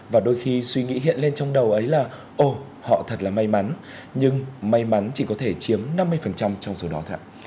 và đôi khi suy nghĩ hiện lên trong đầu ấy là ồ họ thật là may mắn nhưng may mắn chỉ có thể chiếm năm mươi trong số đó thôi